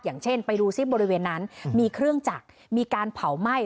อย่างเช่นไปดูซิบริเวณนั้นมีเครื่องจักรมีการเผาไหม้